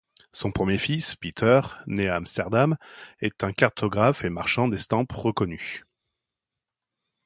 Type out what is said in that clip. Son premier fils, Peter, né à Amsterdam, est un cartographe et marchand d'estampes reconnu.